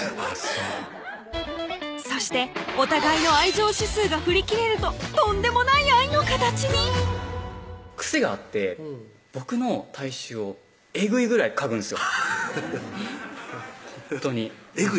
そうそしてお互いの愛情指数が振りきれるととんでもない愛の形に癖があって僕の体臭をえぐいぐらい嗅ぐんですよえっ？